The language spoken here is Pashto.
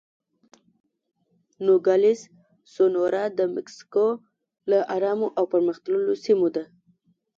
نوګالس سونورا د مکسیکو له ارامو او پرمختللو سیمو ده.